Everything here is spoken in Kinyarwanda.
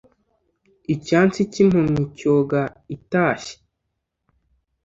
icyansi k'impumyi cyoga itashye